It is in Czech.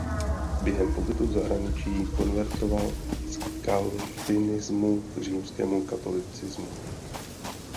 Během pobytu v zahraničí konvertoval z kalvinismu k římskému katolicismu.